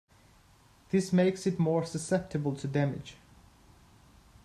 This makes it more susceptible to damage.